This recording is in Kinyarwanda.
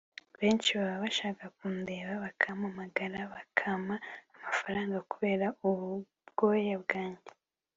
benshi baba bashaka kundeba bakampamagara bakampa amafaranga kubera ubu bwoya bwanjye”